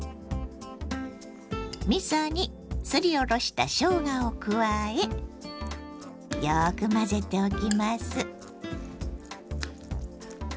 みそにすりおろしたしょうがを加えよく混ぜておきます。